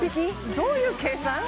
どういう計算？